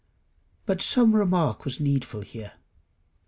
But some remark was needful here.